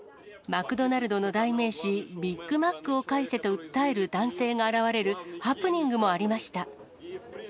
マクドナルドの代名詞、ビッグマックを返せと訴える男性が現れるハプニングもありました。